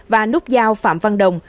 và nút giao phạm văn đồng